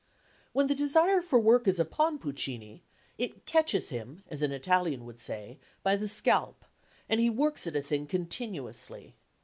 When the desire for work is upon Puccini, "it catches him," as an Italian would say, "by the scalp," and he works at a thing continuously.